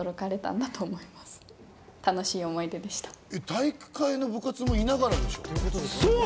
体育会の部活もいながらでしょう？